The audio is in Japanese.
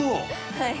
はい。